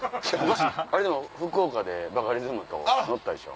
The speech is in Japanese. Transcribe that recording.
でも福岡でバカリズムと乗ったでしょ。